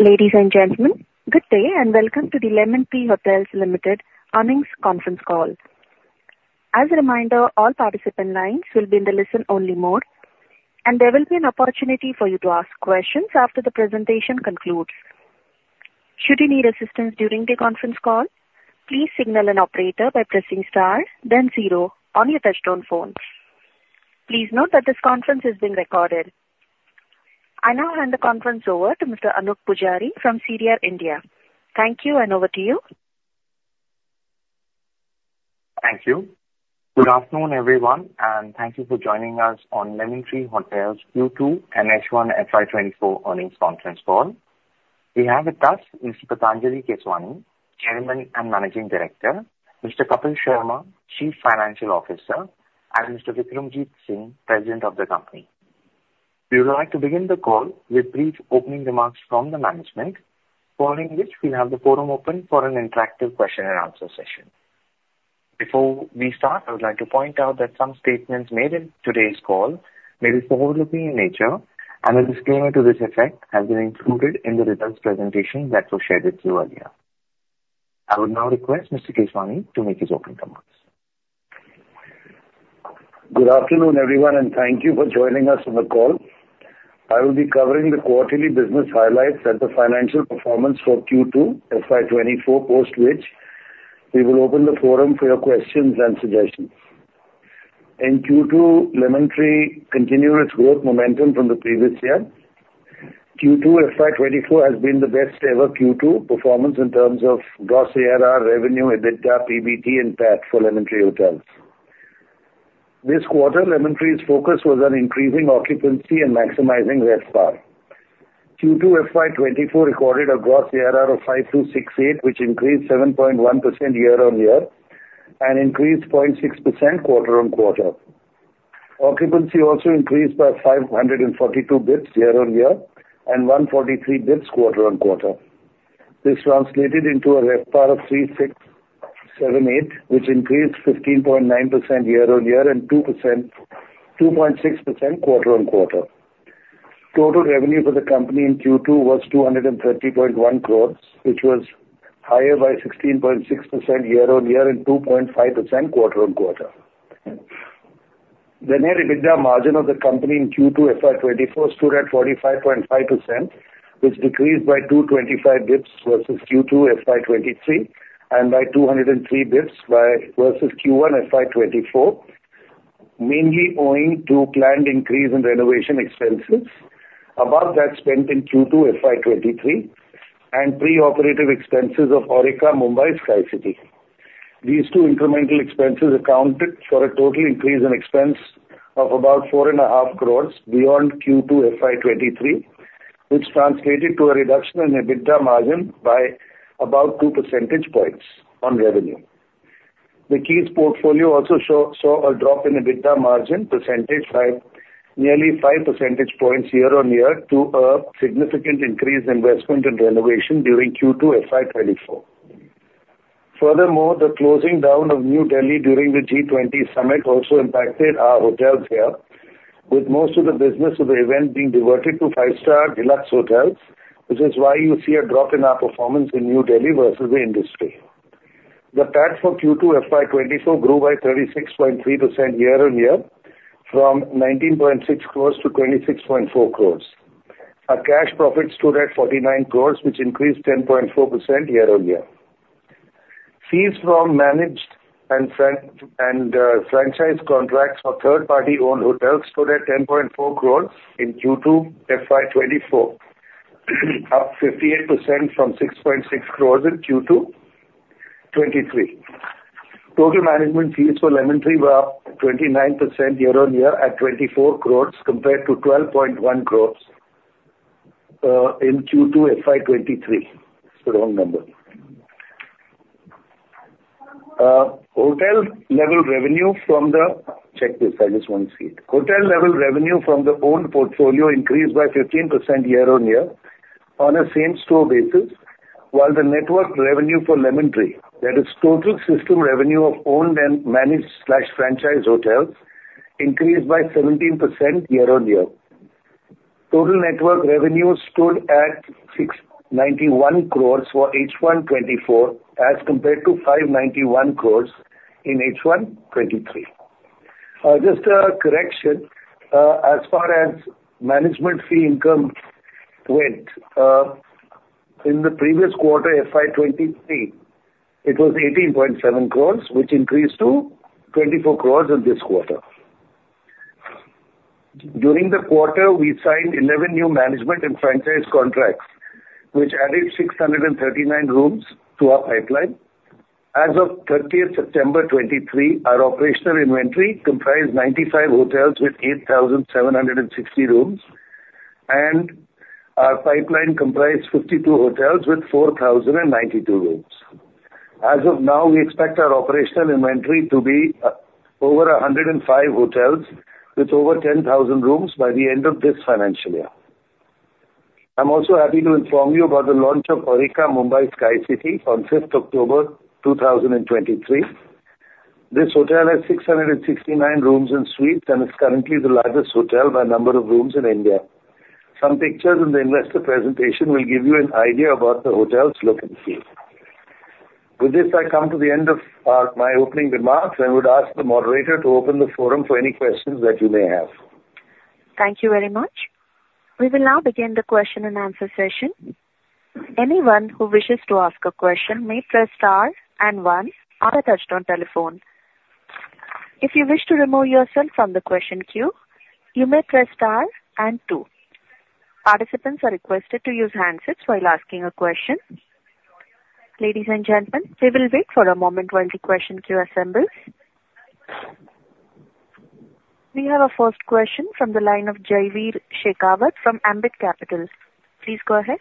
Ladies and gentlemen, good day, and welcome to the Lemon Tree Hotels Limited Earnings Conference Call. As a reminder, all participant lines will be in the listen-only mode, and there will be an opportunity for you to ask questions after the presentation concludes. Should you need assistance during the conference call, please signal an operator by pressing star then zero on your touchtone phone. Please note that this conference is being recorded. I now hand the conference over to Mr. Anup Pujari from CDR India. Thank you, and over to you. Thank you. Good afternoon, everyone, and thank you for joining us on Lemon Tree Hotels Q2 and H1 FY24 earnings conference call. We have with us Mr. Patanjali Keswani, Chairman and Managing Director, Mr. Kapil Sharma, Chief Financial Officer, and Mr. Vikramjit Singh, President of the company. We would like to begin the call with brief opening remarks from the management, following which we'll have the forum open for an interactive question and answer session. Before we start, I would like to point out that some statements made in today's call may be forward-looking in nature, and a disclaimer to this effect has been included in the results presentation that was shared with you earlier. I would now request Mr. Keswani to make his opening remarks. Good afternoon, everyone, and thank you for joining us on the call. I will be covering the quarterly business highlights and the financial performance for Q2 FY 2024, post which we will open the forum for your questions and suggestions. In Q2, Lemon Tree continued its growth momentum from the previous year. Q2 FY 2024 has been the best ever Q2 performance in terms of gross ARR, revenue, EBITDA, PBT and PAT for Lemon Tree Hotels. This quarter, Lemon Tree's focus was on increasing occupancy and maximizing RevPAR. Q2 FY 2024 recorded a gross ARR of 5,268, which increased 7.1% year-on-year and increased 0.6% quarter-on-quarter. Occupancy also increased by 542 basis points year-on-year and 143 basis points quarter-on-quarter. This translated into a RevPAR of 3,678, which increased 15.9% year-on-year and 2.6% quarter-on-quarter. Total revenue for the company in Q2 was 230.1 crores, which was higher by 16.6% year-on-year and 2.5% quarter-on-quarter. The net EBITDA margin of the company in Q2 FY 2024 stood at 45.5%, which decreased by 225 basis points versus Q2 FY 2023 and by 203 basis points versus Q1 FY 2024, mainly owing to planned increase in renovation expenses above that spent in Q2 FY 2023 and pre-operative expenses of Aurika Mumbai Skycity. These two incremental expenses accounted for a total increase in expense of about 4.5 crores beyond Q2 FY 2023, which translated to a reduction in EBITDA margin by about 2 percentage points on revenue. The Keys portfolio also saw a drop in EBITDA margin percentage by nearly 5 percentage points year-on-year due to a significant increase in investment and renovation during Q2 FY 2024. Furthermore, the closing down of New Delhi during the G20 summit also impacted our hotels here, with most of the business of the event being diverted to five-star deluxe hotels, which is why you see a drop in our performance in New Delhi versus the industry. The PAT for Q2 FY 2024 grew by 36.3% year-on-year from 19.6 crores to 26.4 crores. Our cash profit stood at 49 crore, which increased 10.4% year-over-year. Fees from managed and franchise contracts for third-party owned hotels stood at 10.4 crore in Q2 FY 2024, up 58% from 6.6 crore in Q2 2023. Total management fees for Lemon Tree were up 29% year-over-year at 24 crore compared to 12.1 crore in Q2 FY 2023. It's the wrong number. Hotel level revenue from the... Check this, I just want to see it. Hotel level revenue from the owned portfolio increased by 15% year-over-year on a same store basis, while the network revenue for Lemon Tree, that is total system revenue of owned and managed/franchised hotels, increased by 17% year-over-year. Total network revenue stood at 691 crore for H1 2024, as compared to 591 crore in H1 2023. Just a correction, as far as management fee income went, in the previous quarter, FY 2023, it was 18.7 crores, which increased to 24 crores in this quarter. During the quarter, we signed 11 new management and franchise contracts, which added 639 rooms to our pipeline. As of 30th September 2023, our operational inventory comprised 95 hotels with 8,760 rooms, and our pipeline comprised 52 hotels with 4,092 rooms. As of now, we expect our operational inventory to be, over 105 hotels with over 10,000 rooms by the end of this financial year. I'm also happy to inform you about the launch of Aurika, Mumbai Skycity on 5th October 2023.... This hotel has 669 rooms and suites, and is currently the largest hotel by number of rooms in India. Some pictures in the investor presentation will give you an idea about the hotel's look and feel. With this, I come to the end of my opening remarks, and would ask the moderator to open the forum for any questions that you may have. Thank you very much. We will now begin the question and answer session. Anyone who wishes to ask a question may press star and one on a touch-tone telephone. If you wish to remove yourself from the question queue, you may press star and two. Participants are requested to use handsets while asking a question. Ladies and gentlemen, we will wait for a moment while the question queue assembles. We have our first question from the line of Jaiveer Shekhawat from Ambit Capital. Please go ahead.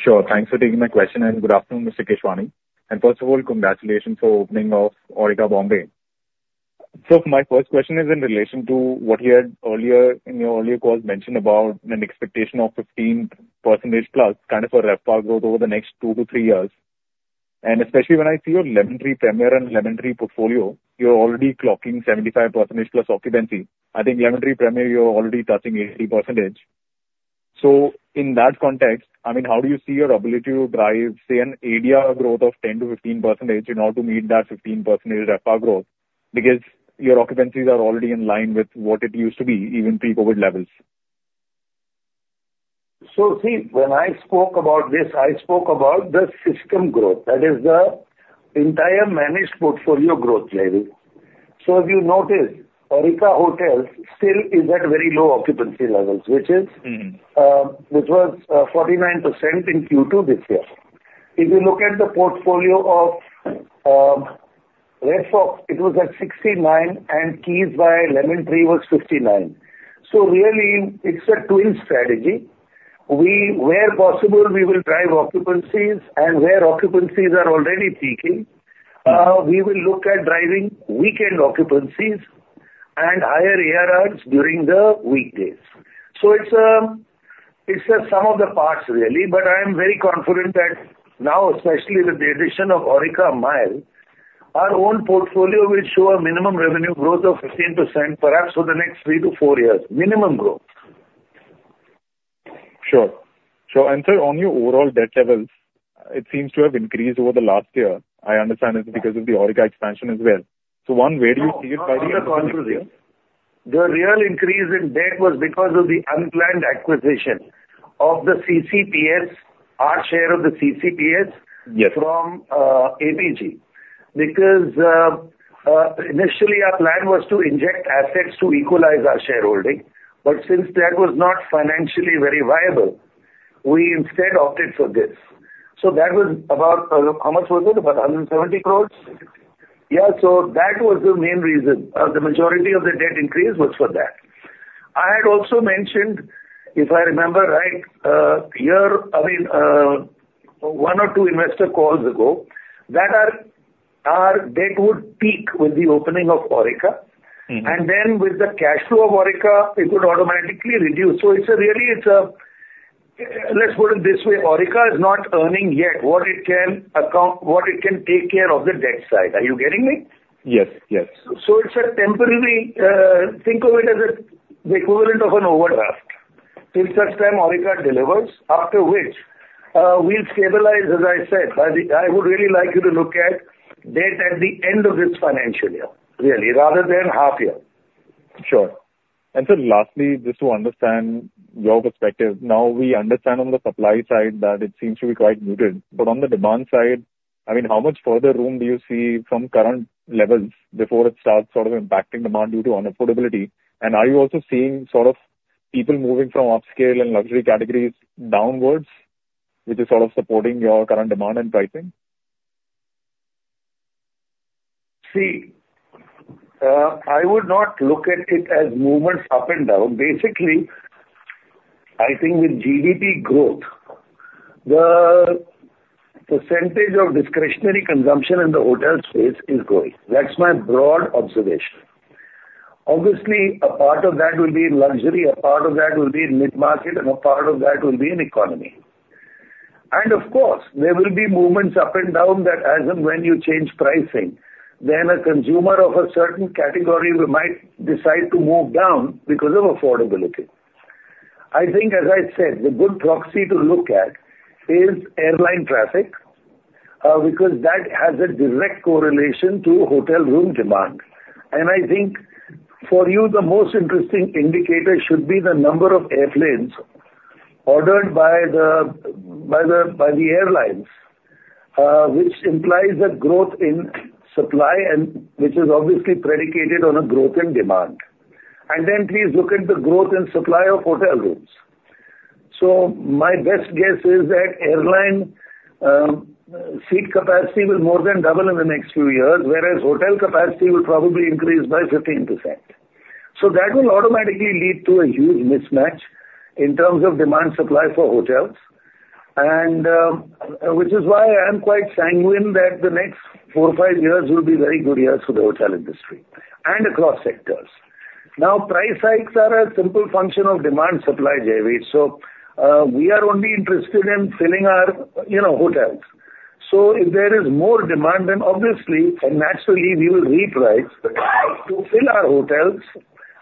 Sure. Thanks for taking my question, and good afternoon, Mr. Keswani, and first of all, congratulations for opening of Aurika, Mumbai. So my first question is in relation to what you had earlier, in your earlier calls, mentioned about an expectation of 15%+, kind of, for RevPAR growth over the next 2 to 3 years. And especially when I see your Lemon Tree Premier and Lemon Tree portfolio, you're already clocking 75%+ occupancy. I think Lemon Tree Premier, you're already touching 80%. So in that context, I mean, how do you see your ability to drive, say, an ADR growth of 10%-15% in order to meet that 15% RevPAR growth? Because your occupancies are already in line with what it used to be, even pre-COVID levels. So see, when I spoke about this, I spoke about the system growth, that is the entire managed portfolio growth level. So if you notice, Aurika Hotels still is at very low occupancy levels. Mm-hmm. which was 49% in Q2 this year. If you look at the portfolio of Red Fox, it was at 69, and Keys by Lemon Tree was 59. So really, it's a twin strategy. We— Where possible, we will drive occupancies, and where occupancies are already peaking, we will look at driving weekend occupancies and higher ARRs during the weekdays. So it's a sum of the parts, really, but I am very confident that now, especially with the addition of Aurika, Mumbai, our own portfolio will show a minimum revenue growth of 15%, perhaps for the next 3-4 years, minimum growth. Sure. Sure, and sir, on your overall debt levels, it seems to have increased over the last year. I understand it's because of the Aurika expansion as well. So one, where do you see it by the end of the year? No, on the contrary. The real increase in debt was because of the unplanned acquisition of the CCPS, our share of the CCPS- Yes. -from APG. Because initially our plan was to inject assets to equalize our shareholding, but since that was not financially very viable, we instead opted for this. So that was about, how much was it? About 170 crores? Yeah, so that was the main reason. The majority of the debt increase was for that. I had also mentioned, if I remember right, here, I mean, one or two investor calls ago, that our debt would peak with the opening of Aurika. Mm-hmm. And then, with the cash flow of Aurika, it would automatically reduce. So it's really... Let's put it this way: Aurika is not earning yet what it can account, what it can take care of the debt side. Are you getting me? Yes. Yes. So it's a temporary, think of it as a, the equivalent of an overdraft till such time Aurika delivers, after which, we'll stabilize, as I said. But I would really like you to look at debt at the end of this financial year, really, rather than half year. Sure. Sir, lastly, just to understand your perspective, now we understand on the supply side that it seems to be quite muted, but on the demand side, I mean, how much further room do you see from current levels before it starts sort of impacting demand due to unaffordability? And are you also seeing sort of people moving from upscale and luxury categories downwards, which is sort of supporting your current demand and pricing? See, I would not look at it as movements up and down. Basically, I think with GDP growth, the percentage of discretionary consumption in the hotel space is growing. That's my broad observation. Obviously, a part of that will be in luxury, a part of that will be in mid-market, and a part of that will be in economy. And of course, there will be movements up and down that as and when you change pricing, then a consumer of a certain category might decide to move down because of affordability. I think, as I said, the good proxy to look at is airline traffic, because that has a direct correlation to hotel room demand. I think for you, the most interesting indicator should be the number of airplanes ordered by the airlines, which implies a growth in supply and which is obviously predicated on a growth in demand. Then please look at the growth in supply of hotel rooms. So my best guess is that airline seat capacity will more than double in the next few years, whereas hotel capacity will probably increase by 15%. So that will automatically lead to a huge mismatch in terms of demand supply for hotels. And which is why I am quite sanguine that the next four or five years will be very good years for the hotel industry and across sectors. Now, price hikes are a simple function of demand supply, Jaiveer. So, we are only interested in filling our, you know, hotels. If there is more demand, then obviously and naturally, we will reprice to fill our hotels,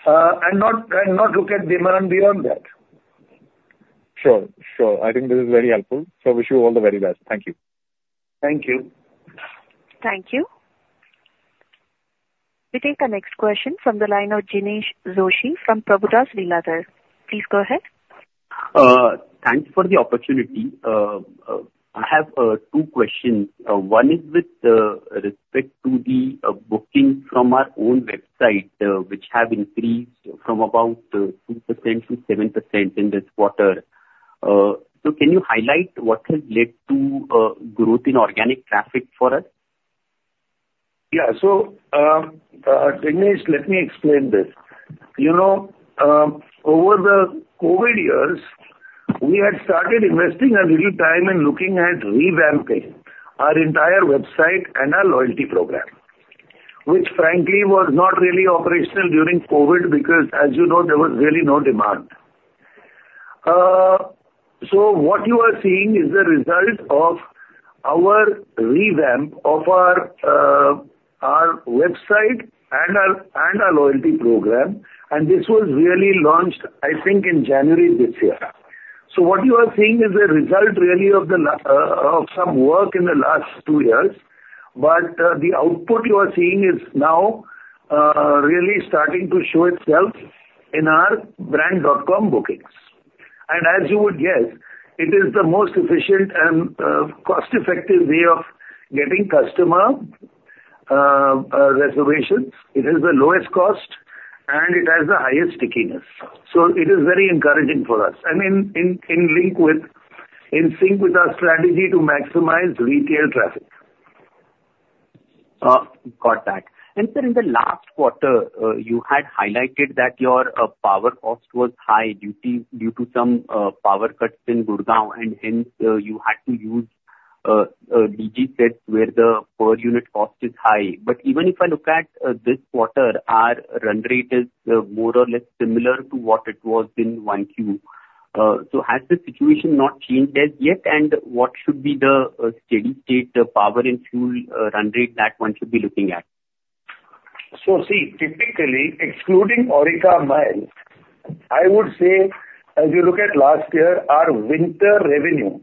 and not, and not look at demand beyond that. Sure. Sure, I think this is very helpful. So wish you all the very best. Thank you. Thank you. Thank you. We take the next question from the line of Jinesh Joshi from Prabhudas Lilladher. Please go ahead. Thanks for the opportunity. I have two questions. One is with respect to the booking from our own website, which have increased from about 2% to 7% in this quarter. So can you highlight what has led to growth in organic traffic for us? Yeah. So, Jinesh, let me explain this. You know, over the COVID years, we had started investing a little time in looking at revamping our entire website and our loyalty program, which frankly, was not really operational during COVID, because as you know, there was really no demand. So what you are seeing is the result of our revamp of our website and our loyalty program, and this was really launched, I think, in January this year. So what you are seeing is a result really of some work in the last two years, but the output you are seeing is now really starting to show itself in our brand.com bookings. And as you would guess, it is the most efficient and cost-effective way of getting customer reservations. It has the lowest cost, and it has the highest stickiness. So it is very encouraging for us. And in sync with our strategy to maximize retail traffic. Got that. And sir, in the last quarter, you had highlighted that your power cost was high due to some power cuts in Gurgaon, and hence, you had to use DG sets where the per unit cost is high. But even if I look at this quarter, our run rate is more or less similar to what it was in 1Q. So has the situation not changed as yet? And what should be the steady state, the power and fuel run rate that one should be looking at? So, see, typically, excluding Aurika, Mumbai, I would say as you look at last year, our winter revenue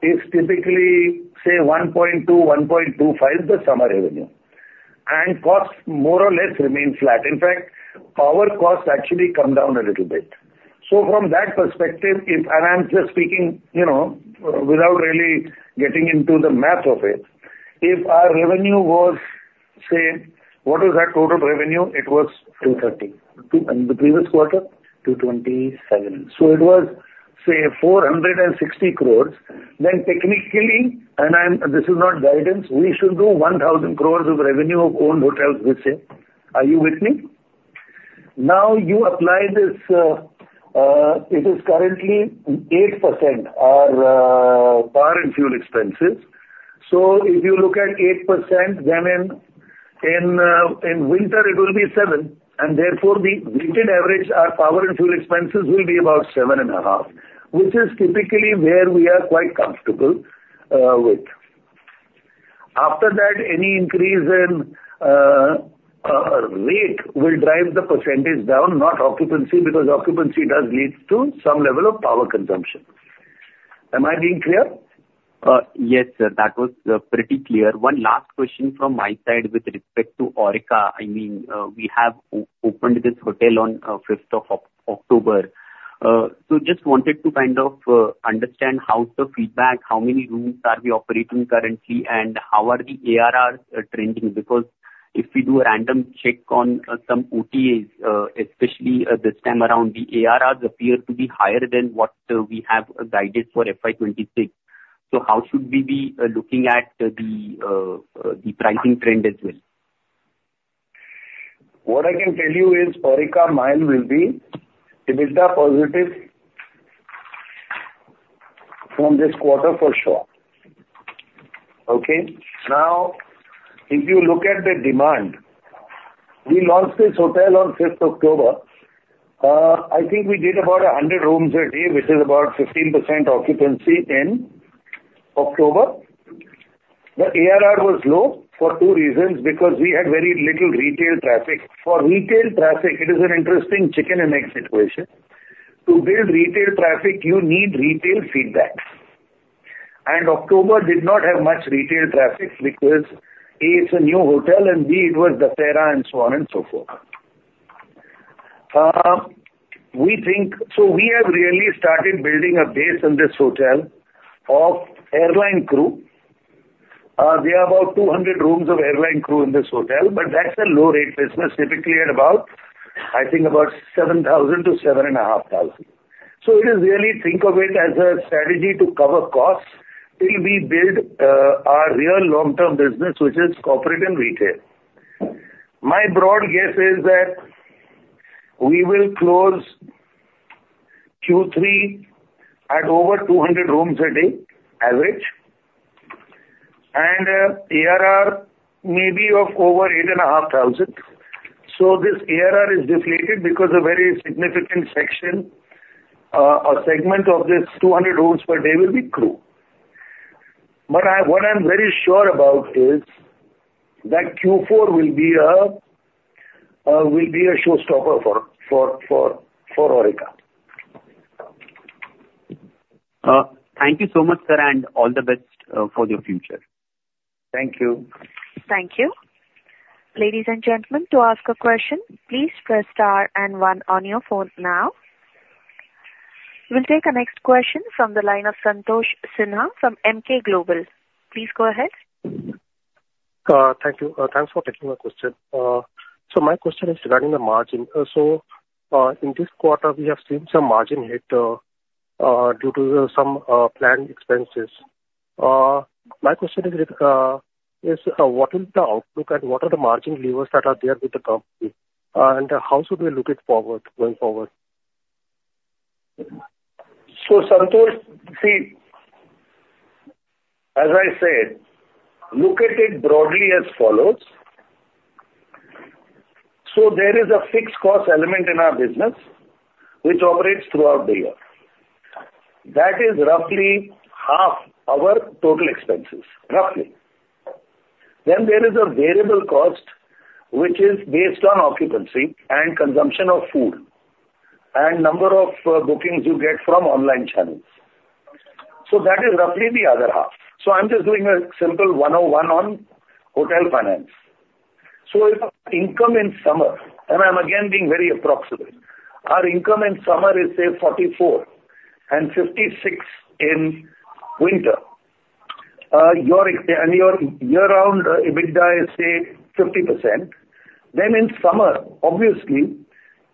is typically, say, 1.2-1.25 the summer revenue, and costs more or less remain flat. In fact, power costs actually come down a little bit. So from that perspective, if... And I'm just speaking, you know, without really getting into the math of it, if our revenue was, say, what was our total revenue? It was- Two thirty. The previous quarter? Two twenty-seven. So it was, say, 460 crores. Then technically, and I'm—this is not guidance, we should do 1,000 crores of revenue of owned hotels this year. Are you with me? Now, you apply this, it is currently 8%, our power and fuel expenses. So if you look at 8%, then in winter, it will be 7%, and therefore, the weighted average, our power and fuel expenses will be about 7.5%, which is typically where we are quite comfortable with. After that, any increase in rate will drive the percentage down, not occupancy, because occupancy does lead to some level of power consumption. Am I being clear? Yes, sir. That was pretty clear. One last question from my side with respect to Aurika. I mean, we have opened this hotel on fifth of October. So just wanted to kind of understand how's the feedback, how many rooms are we operating currently, and how are the ARRs trending? Because if we do a random check on some OTAs, especially this time around, the ARRs appear to be higher than what we have guided for FY 2026. So how should we be looking at the pricing trend as well? What I can tell you is, Aurika Mumbai will be EBITDA positive from this quarter for sure. Okay? Now, if you look at the demand, we launched this hotel on October 5th. I think we did about 100 rooms a day, which is about 15% occupancy in October. The ARR was low for two reasons, because we had very little retail traffic. For retail traffic, it is an interesting chicken and egg situation. To build retail traffic, you need retail feedback. And October did not have much retail traffic because, A, it's a new hotel, and B, it was Dussehra, and so on and so forth. So we have really started building a base in this hotel of airline crew. There are about 200 rooms of airline crew in this hotel, but that's a low-rate business, typically at about, I think, 7,000-7,500. So it is really, think of it as a strategy to cover costs till we build our real long-term business, which is corporate and retail. My broad guess is that we will close Q3 at over 200 rooms a day, average. And ARR may be of over 8,500. So this ARR is deflated because a very significant section or segment of this 200 rooms per day will be crew. But I, what I'm very sure about is that Q4 will be a showstopper for Aurika. Thank you so much, sir, and all the best for the future. Thank you. Thank you. Ladies and gentlemen, to ask a question, please press star and one on your phone now. We'll take the next question from the line of Santosh Sinha from Emkay Global. Please go ahead. Thank you. Thanks for taking my question. My question is regarding the margin. In this quarter, we have seen some margin hit due to some planned expenses. My question is, what is the outlook and what are the margin levers that are there with the company? And how should we look it forward, going forward? Santosh, see, as I said, look at it broadly as follows: There is a fixed cost element in our business which operates throughout the year. That is roughly half our total expenses, roughly. Then there is a variable cost, which is based on occupancy and consumption of food and number of bookings you get from online channels. That is roughly the other half. I'm just doing a simple 1-on-1 on hotel finance. If income in summer, and I'm again being very approximate, our income in summer is, say, 44, and 56 in winter. Your ex- and your year-round EBITDA is, say, 50%. Then in summer, obviously,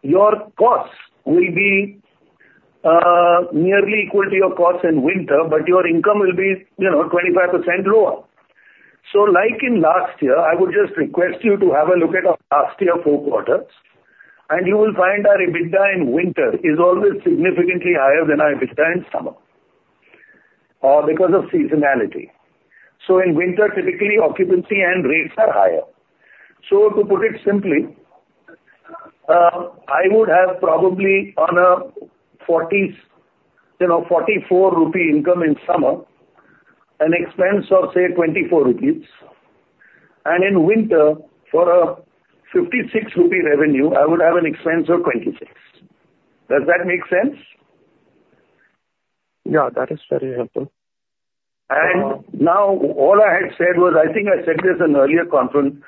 your costs will be nearly equal to your costs in winter, but your income will be, you know, 25% lower. Like in last year, I would just request you to have a look at our last year 4 quarters, and you will find our EBITDA in winter is always significantly higher than our EBITDA in summer, because of seasonality. So in winter, typically, occupancy and rates are higher. So to put it simply, I would have probably on a 44, you know, income in summer, an expense of, say, 24 rupees, and in winter, for a 56 rupee revenue, I would have an expense of 26. Does that make sense? Yeah, that is very helpful. Now, all I had said was, I think I said this in earlier conference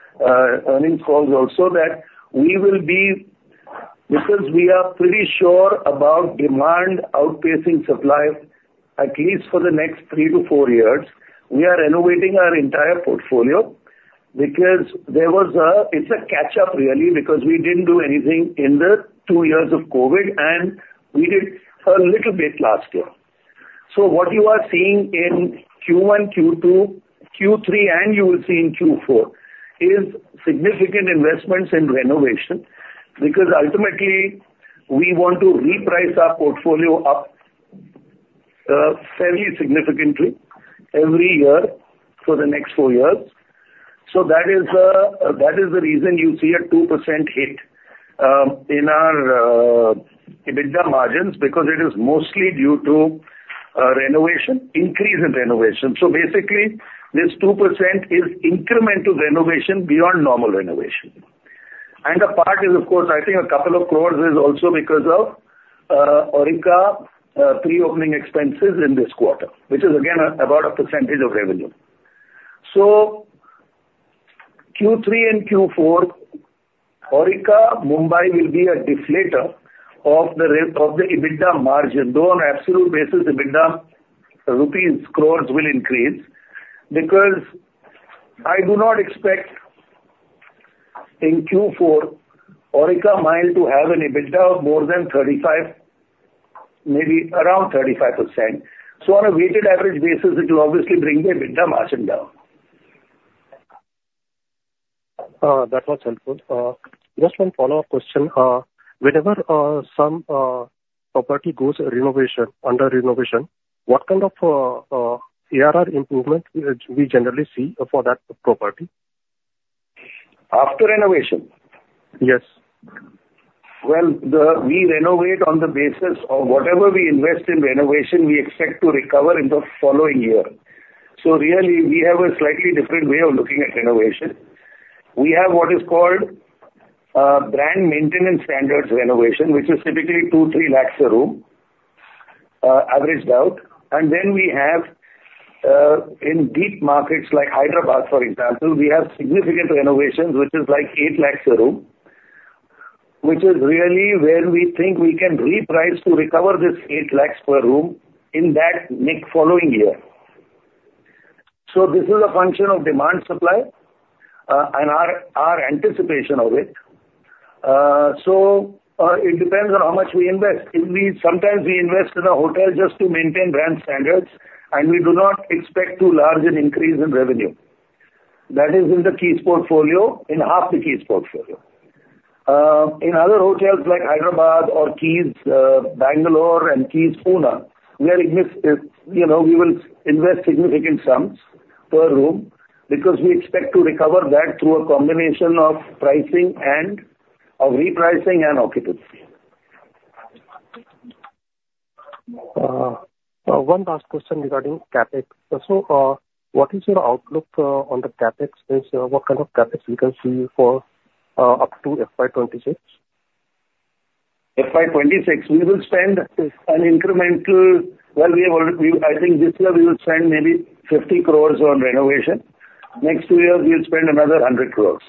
earnings calls also, that we will be. Because we are pretty sure about demand outpacing supply, at least for the next 3-4 years, we are renovating our entire portfolio because there was a. It's a catch-up, really, because we didn't do anything in the 2 years of COVID, and we did a little bit last year. So what you are seeing in Q1, Q2, Q3, and you will see in Q4, is significant investments in renovation, because ultimately we want to reprice our portfolio up, fairly significantly every year for the next 4 years. So that is, that is the reason you see a 2% hit in our EBITDA margins, because it is mostly due to renovation, increase in renovation. So basically, this 2% is incremental renovation beyond normal renovation. And a part is, of course, I think a couple of crore is also because of, Aurika, pre-opening expenses in this quarter, which is again, about a percentage of revenue. So Q3 and Q4, Aurika Mumbai will be a deflator of the of the EBITDA margin, though on absolute basis, EBITDA rupees crore will increase, because I do not expect in Q4, Aurika Mumbai to have an EBITDA of more than 35, maybe around 35%. So on a weighted average basis, it will obviously bring the EBITDA margin down. That was helpful. Just one follow-up question. Whenever some property goes renovation, under renovation, what kind of ARR improvement do we generally see for that property? After renovation? Yes. Well, we renovate on the basis of whatever we invest in renovation, we expect to recover in the following year. So really, we have a slightly different way of looking at renovation. We have what is called brand maintenance standards renovation, which is typically 2 lakhs-3 lakhs a room, averaged out. And then we have in deep markets like Hyderabad, for example, we have significant renovations, which is like 8 lakhs a room, which is really where we think we can reprice to recover this 8 lakhs per room in that next following year. So this is a function of demand, supply, and our anticipation of it. So it depends on how much we invest. Sometimes we invest in a hotel just to maintain brand standards, and we do not expect too large an increase in revenue. That is in the Keys portfolio, in half the Keys portfolio. In other hotels like Hyderabad or Keys, Bangalore and Keys Pune, you know, we will invest significant sums per room because we expect to recover that through a combination of pricing and of repricing and occupancy. One last question regarding CapEx. So, what is your outlook on the CapEx? What kind of CapEx we can see for up to FY 26? FY 2026, we will spend an incremental, well, we have already, we, I think this year we will spend maybe 50 crores on renovation. Next two years, we will spend another 100 crores,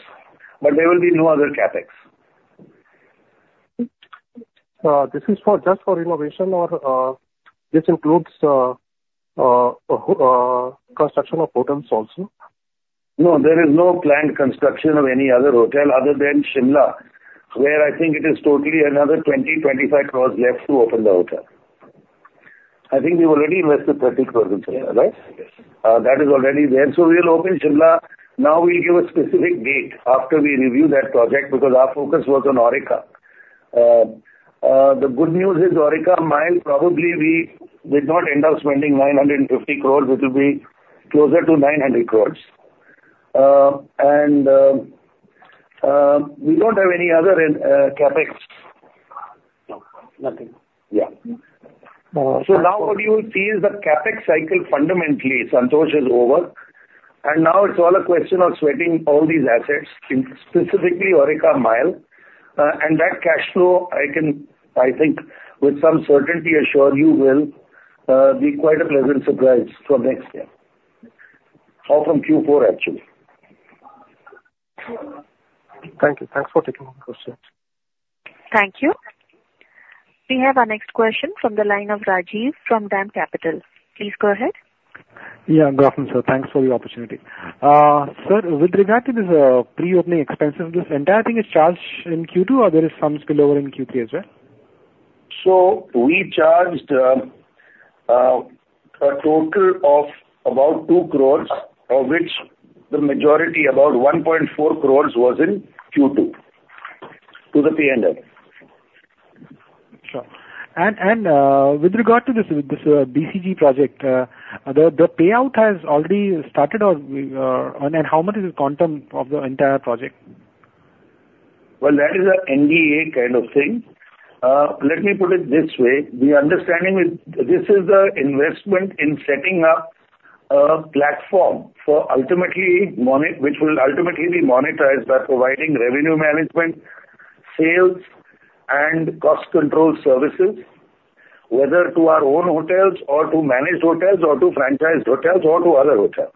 but there will be no other CapEx. This is for, just for renovation or, construction of hotels also? No, there is no planned construction of any other hotel other than Shimla, where I think it is totally another 20 crores-25 crores left to open the hotel. I think we've already invested 30 crores into it, right? Yes. That is already there. So we will open Shimla. Now, we'll give a specific date after we review that project, because our focus was on Aurika Mumbai. The good news is Aurika Mumbai, probably we did not end up spending 950 crores. It will be closer to 900 crores. And we don't have any other CapEx. No, nothing. Yeah. Uh- So now what you will see is the CapEx cycle, fundamentally, Santosh, is over, and now it's all a question of sweating all these assets, in specifically Aurika, Mumbai. And that cash flow, I can, I think, with some certainty assure you, will be quite a pleasant surprise for next year. Or from Q4, actually. Thank you. Thanks for taking my questions. Thank you. We have our next question from the line of Rajiv from DAM Capital. Please go ahead. Yeah, good afternoon, sir. Thanks for the opportunity. Sir, with regard to this, pre-opening expenses, this entire thing is charged in Q2, or there is some spillover in Q3 as well? So we charged a total of about 2 crore, of which the majority, about 1.4 crore, was in Q2, to the P&L. Sure. And with regard to this BCG project, the payout has already started or... And then how much is the quantum of the entire project? Well, that is an NDA kind of thing. Let me put it this way: the understanding is, this is an investment in setting up a platform for ultimately which will ultimately be monetized by providing revenue management, sales, and cost control services, whether to our own hotels or to managed hotels or to franchised hotels or to other hotels.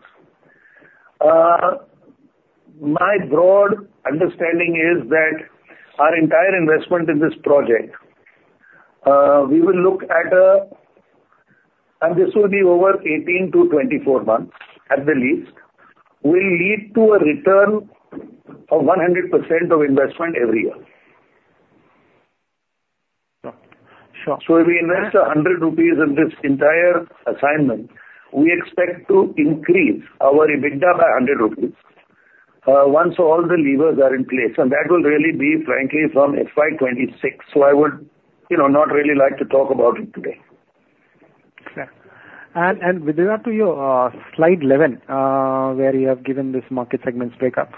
My broad understanding is that our entire investment in this project, we will look at... And this will be over 18-24 months, at the least, will lead to a return of 100% of investment every year. Sure. If we invest 100 rupees in this entire assignment, we expect to increase our EBITDA by 100 rupees, once all the levers are in place. That will really be, frankly, from FY 2026, so I would, you know, not really like to talk about it today. Sure. And with regard to your slide 11, where you have given this market segments breakup,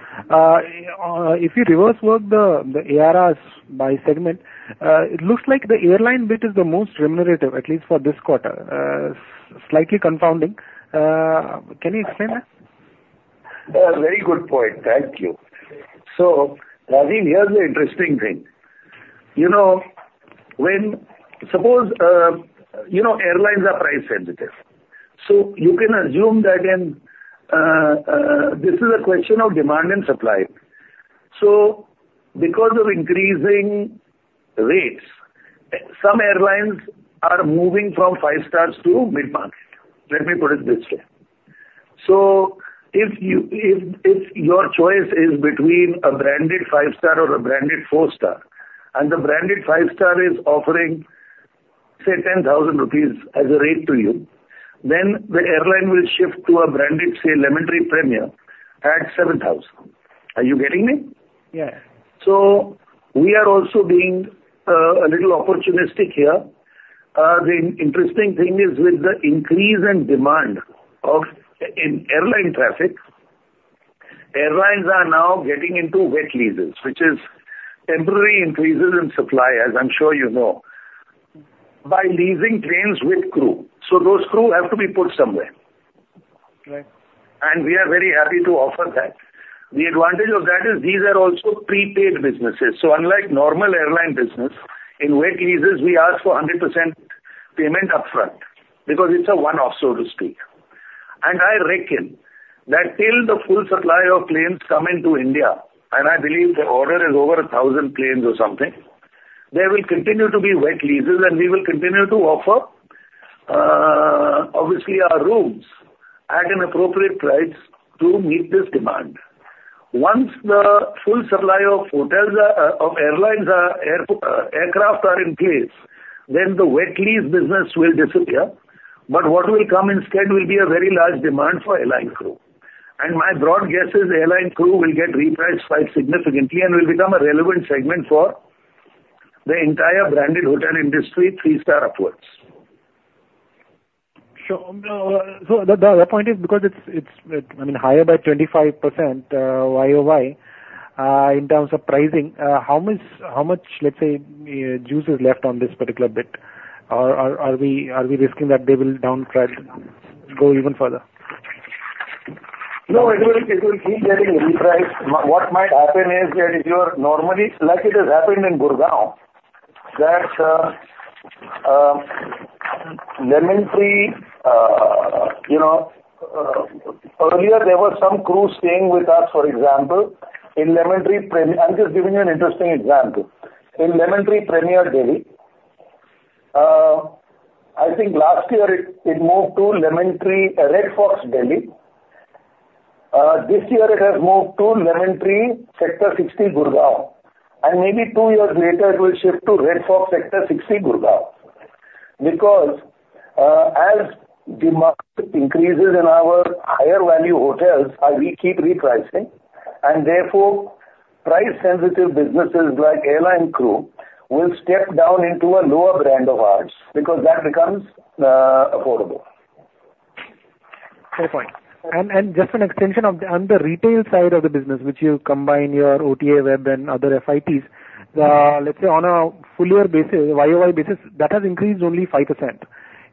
if you reverse work the ARRs by segment, it looks like the airline bit is the most remunerative, at least for this quarter. Slightly confounding. Can you explain that? Very good point. Thank you. So, Rajiv, here's the interesting thing. You know, when suppose, you know, airlines are price sensitive, so you can assume that in, this is a question of demand and supply. So because of increasing rates, some airlines are moving from five stars to mid-market. Let me put it this way: so if you, if, if your choice is between a branded five star or a branded four star, and the branded five star is offering, say, 10,000 rupees as a rate to you, then the airline will shift to a branded, say, Lemon Tree Premier at 7,000. Are you getting me? Yeah. So we are also being a little opportunistic here. The interesting thing is, with the increase in demand in airline traffic, airlines are now getting into wet leases, which is temporary increases in supply, as I'm sure you know, by leasing planes with crew. So those crew have to be put somewhere. Right. We are very happy to offer that. The advantage of that is these are also prepaid businesses. So unlike normal airline business, in wet leases, we ask for 100% payment upfront, because it's a one-off, so to speak. I reckon that till the full supply of planes come into India, and I believe the order is over 1,000 planes or something, there will continue to be wet leases, and we will continue to offer, obviously, our rooms at an appropriate price to meet this demand. Once the full supply of aircraft are in place, then the wet lease business will disappear. What will come instead will be a very large demand for airline crew. My broad guess is airline crew will get repriced quite significantly and will become a relevant segment for the entire branded hotel industry, three star upwards. Sure. So the point is because it's, I mean, higher by 25%, YoY, in terms of pricing, how much, let's say, juice is left on this particular bit? Or, are we risking that they will down price, go even further? No, it will, it will keep getting repriced. What might happen is that if you are normally, like it has happened in Gurgaon, that, Lemon Tree, you know, earlier there were some crews staying with us, for example, in Lemon Tree Premier. I'm just giving you an interesting example. In Lemon Tree Premier, Delhi, I think last year it, it moved to Lemon Tree, Red Fox, Delhi. This year it has moved to Lemon Tree, Sector 60, Gurgaon, and maybe two years later it will shift to Red Fox, Sector 60, Gurgaon. Because, as demand increases in our higher value hotels, we keep repricing, and therefore, price-sensitive businesses like airline crew will step down into a lower brand of ours, because that becomes, affordable. Fair point. And just an extension of the, on the retail side of the business, which you combine your OTA, web, and other FITs, let's say on a full year basis, YoY basis, that has increased only 5%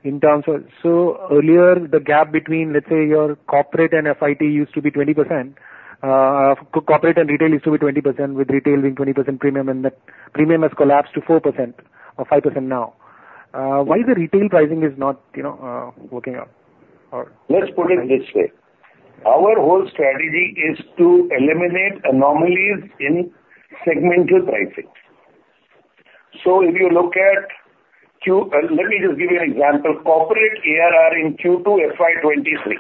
in terms of... So earlier, the gap between, let's say, your corporate and FIT used to be 20%, corporate and retail used to be 20%, with retail being 20% premium, and that premium has collapsed to 4% or 5% now. Why the retail pricing is not, you know, working out, or- Let's put it this way: Our whole strategy is to eliminate anomalies in segmental pricing. So if you look at Q2 FY 2023, let me just give you an example. Corporate ARR in Q2 FY 2023,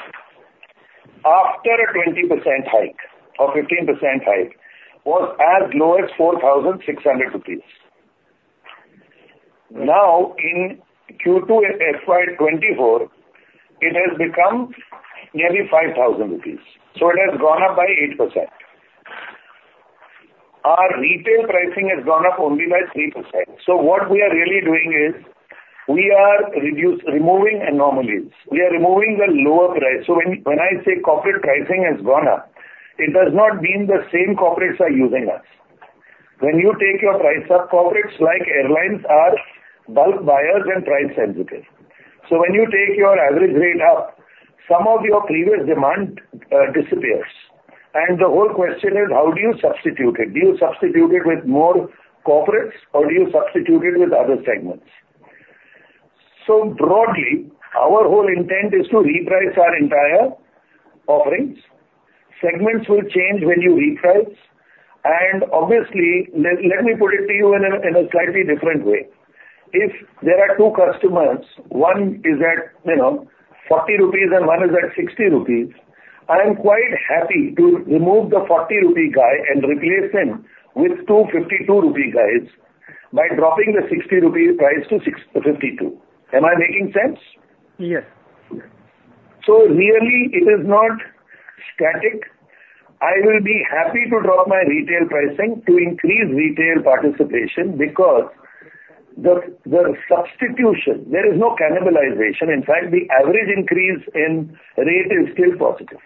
after a 20% hike or 15% hike, was as low as 4,600 rupees. Now, in Q2 FY 2024, it has become nearly 5,000 rupees, so it has gone up by 8%. Our retail pricing has gone up only by 3%. So what we are really doing is, we are removing anomalies. We are removing the lower price. So when, when I say corporate pricing has gone up, it does not mean the same corporates are using us. When you take your price up, corporates, like airlines, are bulk buyers and price sensitive. So when you take your average rate up, some of your previous demand disappears. The whole question is: How do you substitute it? Do you substitute it with more corporates, or do you substitute it with other segments? So broadly, our whole intent is to reprice our entire offerings. Segments will change when you reprice, and obviously, let me put it to you in a slightly different way. If there are two customers, one is at, you know, 40 rupees and one is at 60 rupees, I am quite happy to remove the 40 rupee guy and replace him with two 52 rupee guys, by dropping the 60 rupee price to 52. Am I making sense? Yes. So really, it is not static. I will be happy to drop my retail pricing to increase retail participation because the substitution, there is no cannibalization. In fact, the average increase in rate is still positive.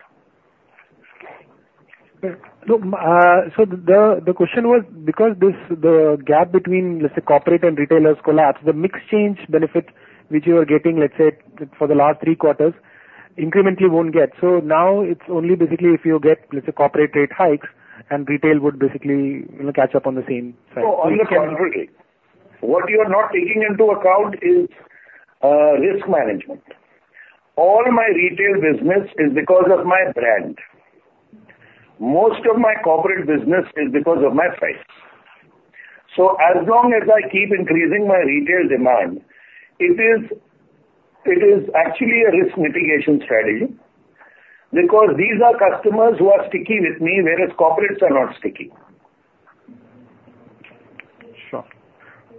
Yeah. Look, so the question was, because the gap between, let's say, corporate and retailers collapsed, the mix change benefit which you are getting, let's say, for the last three quarters, incrementally won't get. So now it's only basically if you get, let's say, corporate rate hikes, and retail would basically, you know, catch up on the same side. So on the contrary, what you are not taking into account is, risk management. All my retail business is because of my brand. Most of my corporate business is because of my price. So as long as I keep increasing my retail demand, it is, it is actually a risk mitigation strategy, because these are customers who are sticky with me, whereas corporates are not sticky. Sure.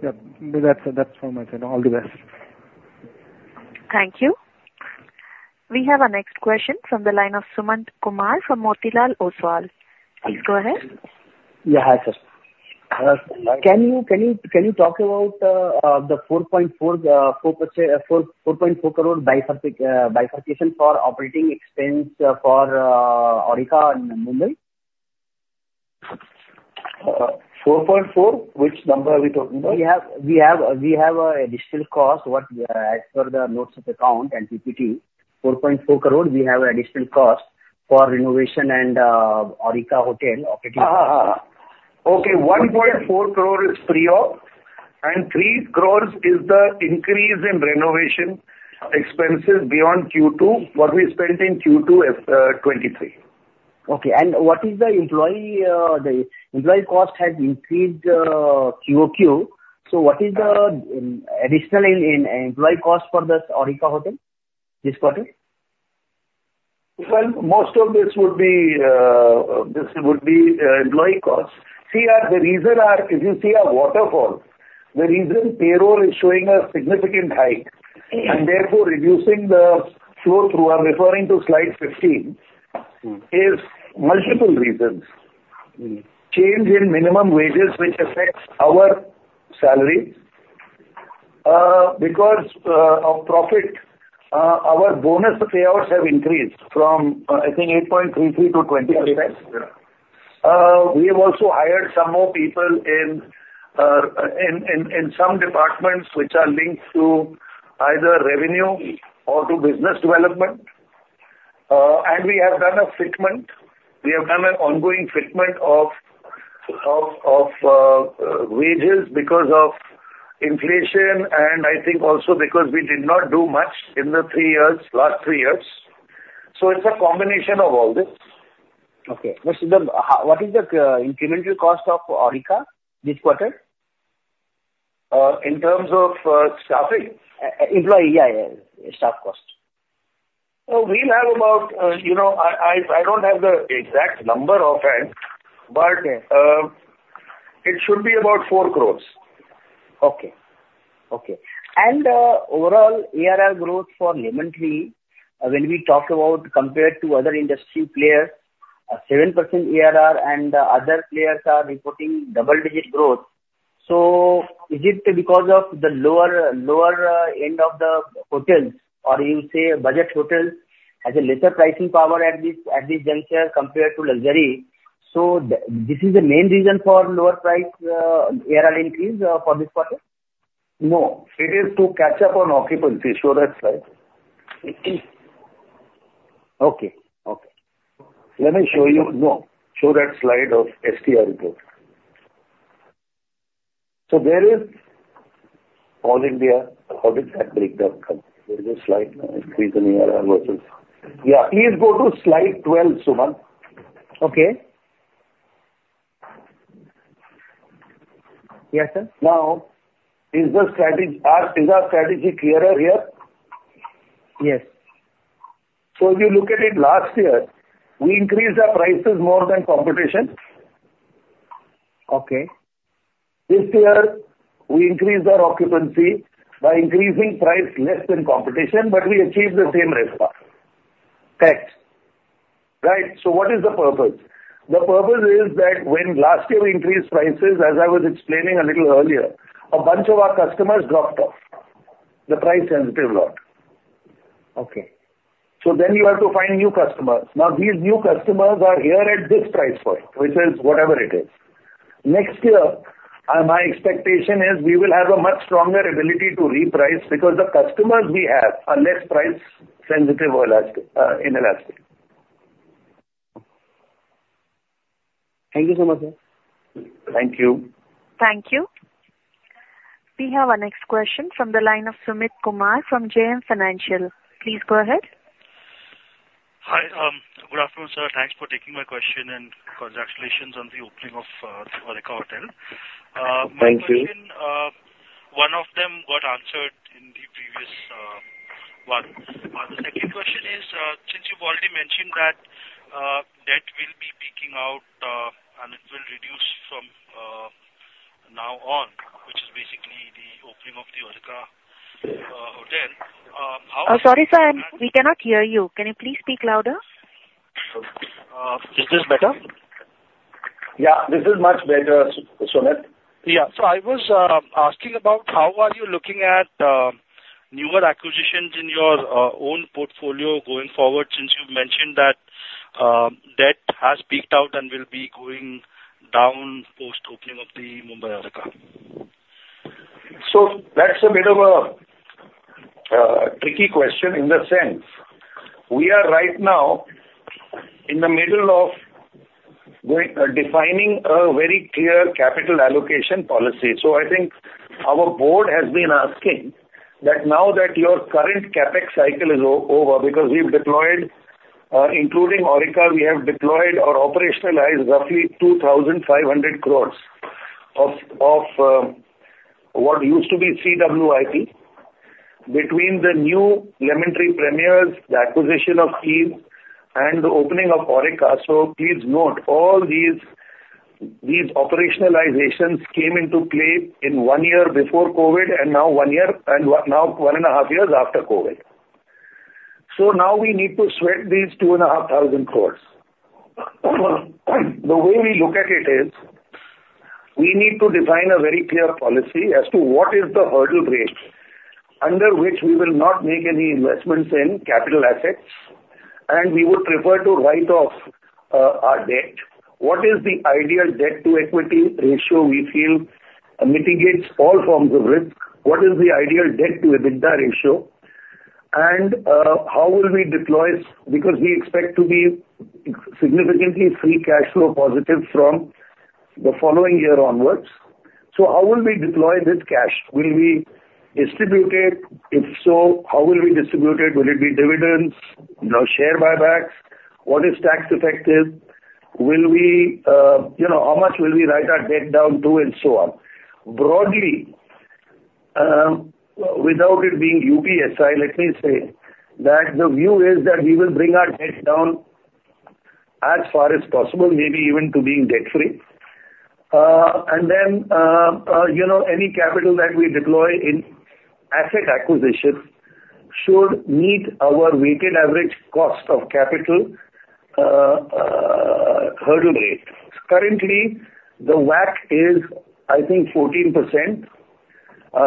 Yeah, that's, that's all my time. All the best. Thank you. We have our next question from the line of Sumant Kumar from Motilal Oswal. Please go ahead. Yeah. Hi, sir. Uh, hi. Can you talk about the 4.4 crore bifurcation for operating expense for Aurika in Mumbai? 4.4? Which number are we talking about? We have a additional cost, as per the notes of account and PPT, 4.4 crore, we have additional cost for renovation and Aurika Hotel operating cost. Okay, 1.4 crore is pre-op, and 3 crore is the increase in renovation expenses beyond Q2, what we spent in Q2 2023. Okay. What is the employee cost has increased Q-over-Q. What is the additional in employee cost for this Aurika Hotel? ... This quarter? Well, most of this would be, this would be, employee costs. See, the reason are, if you see our waterfall, the reason payroll is showing a significant hike, and therefore reducing the flow through, I'm referring to slide 15, is multiple reasons. Mm. Change in minimum wages, which affects our salary. Because of profit, our bonus payouts have increased from, I think, 8.33%-20%. Yeah. We have also hired some more people in some departments which are linked to either revenue or to business development. We have done a fitment. We have done an ongoing fitment of wages because of inflation, and I think also because we did not do much in the three years, last three years. It's a combination of all this. Okay. What is the incremental cost of Aurika this quarter? In terms of staffing? Employee, yeah, yeah. Staff cost. We have about, you know, I don't have the exact number offhand, but- Okay. It should be about 4 crores. Okay. Okay. And overall, ARR growth for Lemon Tree, when we talk about compared to other industry players, 7% ARR and the other players are reporting double-digit growth. So is it because of the lower, lower end of the hotels, or you say budget hotels, has a lesser pricing power at this, at this juncture compared to luxury? So this is the main reason for lower price ARR increase for this quarter? No. It is to catch up on occupancy. Show that slide. Okay. Okay. Let me show you... No, show that slide of STR growth. So where is- All India. How did that breakdown come? There is a slide, increase in ARR versus... Yeah, please go to slide 12, Sumant. Okay. Yes, sir. Now, is our strategy clearer here? Yes. If you look at it last year, we increased our prices more than competition. Okay. This year, we increased our occupancy by increasing price less than competition, but we achieved the same RevPAR. Correct. Right. So what is the purpose? The purpose is that when last year we increased prices, as I was explaining a little earlier, a bunch of our customers dropped off, the price-sensitive lot. Okay. So then you have to find new customers. Now, these new customers are here at this price point, which is whatever it is. Next year, my expectation is we will have a much stronger ability to reprice because the customers we have are less price-sensitive than last year, in the last year. Thank you so much, sir. Thank you. Thank you. We have our next question from the line of Sumit Kumar from JM Financial. Please go ahead. Hi. Good afternoon, sir. Thanks for taking my question, and congratulations on the opening of Aurika Hotel. Thank you. My question, one of them got answered in the previous one. The second question is, since you've already mentioned that, debt will be peaking out, and it will reduce from now on, which is basically the opening of the Aurika hotel, how- Sorry, sir, we cannot hear you. Can you please speak louder? Is this better? Yeah, this is much better, Sumit. Yeah. So I was asking about how are you looking at newer acquisitions in your own portfolio going forward, since you've mentioned that debt has peaked out and will be going down post-opening of the Mumbai Aurika? So that's a bit of a tricky question in the sense, we are right now in the middle of defining a very clear capital allocation policy. So I think our board has been asking that now that your current CapEx cycle is over, because we've deployed, including Aurika, we have deployed or operationalized roughly 2,500 crores of what used to be CWIP. Between the new Lemon Tree Premier, the acquisition of Keys, and the opening of Aurika, so please note, all these operationalizations came into play in one year before COVID, and now one year, and now one and a half years after COVID. So now we need to sweat these 2,500 crores. The way we look at it is, we need to define a very clear policy as to what is the hurdle rate, under which we will not make any investments in capital assets, and we would prefer to write off our debt. What is the ideal debt-to-equity ratio we feel mitigates all forms of risk? What is the ideal debt-to-EBITDA ratio? And how will we deploy? Because we expect to be significantly free cash flow positive from the following year onwards. So how will we deploy this cash? Will we distribute it? If so, how will we distribute it? Will it be dividends, you know, share buybacks? What is tax effective?... Will we, you know, how much will we write our debt down to, and so on? Broadly, without it being UPSI, let me say that the view is that we will bring our debt down as far as possible, maybe even to being debt free. And then, you know, any capital that we deploy in asset acquisitions should meet our weighted average cost of capital hurdle rate. Currently, the WACC is, I think, 14%,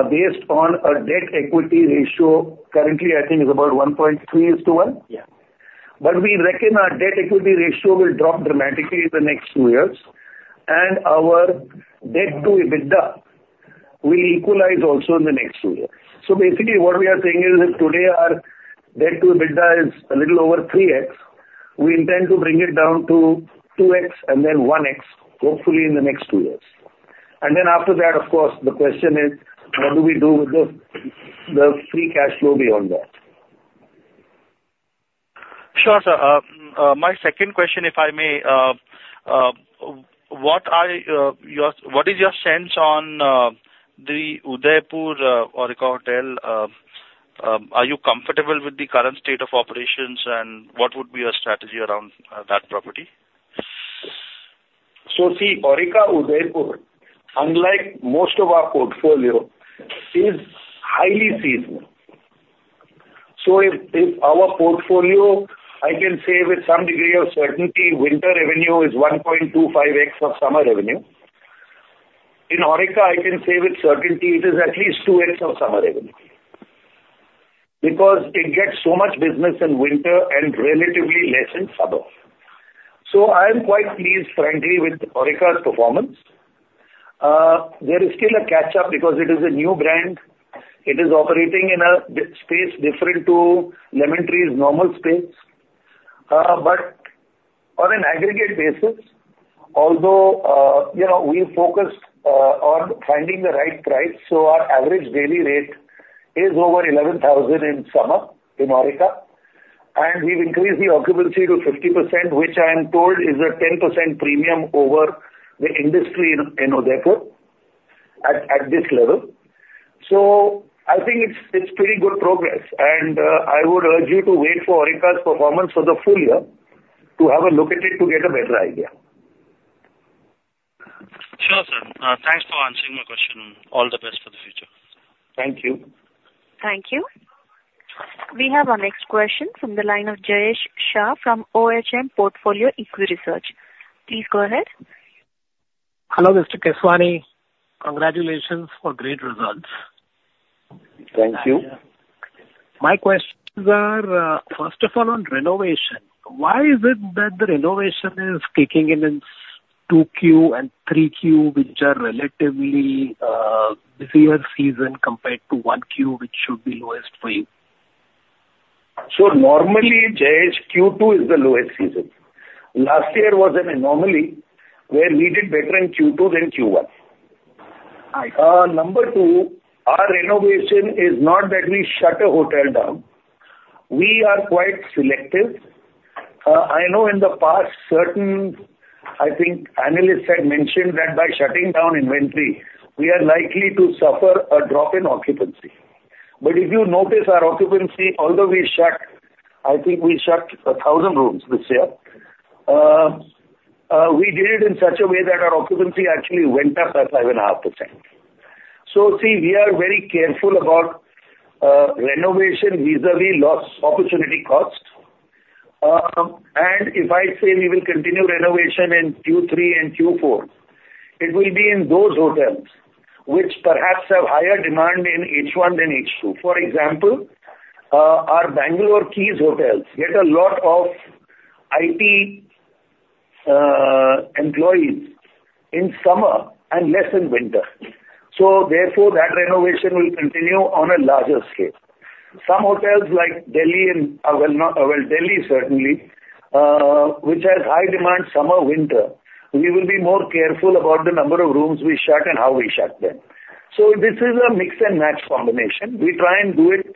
based on our debt equity ratio. Currently, I think is about 1.3 to 1? Yeah. But we reckon our debt equity ratio will drop dramatically in the next two years, and our debt to EBITDA will equalize also in the next two years. So basically, what we are saying is if today our debt to EBITDA is a little over 3x, we intend to bring it down to 2x and then 1x, hopefully in the next two years. And then after that, of course, the question is: what do we do with the, the free cash flow beyond that? Sure, sir. My second question, if I may, what are your-- what is your sense on the Udaipur Aurika Hotel? Are you comfortable with the current state of operations, and what would be your strategy around that property? So see, Aurika Udaipur, unlike most of our portfolio, is highly seasonal. So if our portfolio, I can say with some degree of certainty, winter revenue is 1.25x of summer revenue. In Aurika, I can say with certainty it is at least 2x of summer revenue, because it gets so much business in winter and relatively less in summer. So I am quite pleased, frankly, with Aurika's performance. There is still a catch-up because it is a new brand. It is operating in a different space to Lemon Tree's normal space. But on an aggregate basis, although, you know, we focus on finding the right price, so our average daily rate is over 11,000 in summer in Aurika, and we've increased the occupancy to 50%, which I am told is a 10% premium over the industry in Udaipur at this level. So I think it's pretty good progress, and I would urge you to wait for Aurika's performance for the full year to have a look at it to get a better idea. Sure, sir. Thanks for answering my question. All the best for the future. Thank you. Thank you. We have our next question from the line of Jayesh Shah from OHM Portfolio Equity Research. Please go ahead. Hello, Mr. Keswani. Congratulations for great results. Thank you. My questions are, first of all, on renovation. Why is it that the renovation is kicking in in 2Q and 3Q, which are relatively, busier season compared to 1Q, which should be lowest for you? Normally, Jayesh, Q2 is the lowest season. Last year was an anomaly where we did better in Q2 than Q1. I see. Number two, our renovation is not that we shut a hotel down. We are quite selective. I know in the past, certain, I think, analysts had mentioned that by shutting down inventory, we are likely to suffer a drop in occupancy. But if you notice our occupancy, although we shut, I think we shut 1,000 rooms this year, we did it in such a way that our occupancy actually went up by 5.5%. So see, we are very careful about renovation vis-a-vis loss opportunity cost. And if I say we will continue renovation in Q3 and Q4, it will be in those hotels which perhaps have higher demand in H1 than H2. For example, our Bangalore Keys hotels get a lot of IT employees in summer and less in winter. So therefore, that renovation will continue on a larger scale. Some hotels like Delhi and, well, Delhi, certainly, which has high demand summer, winter, we will be more careful about the number of rooms we shut and how we shut them. So this is a mix and match combination. We try and do it